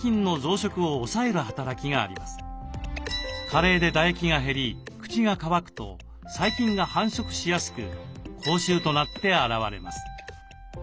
加齢で唾液が減り口が渇くと細菌が繁殖しやすく口臭となって表れます。